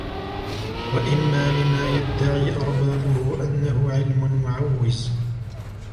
وَإِمَّا لِمَا يَدَّعِي أَرْبَابُهُ أَنَّهُ عِلْمٌ مُعْوِزٌ